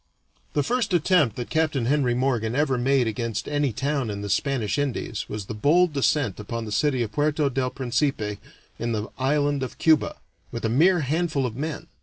The first attempt that Capt. Henry Morgan ever made against any town in the Spanish Indies was the bold descent upon the city of Puerto del Principe in the island of Cuba, with a mere handful of men.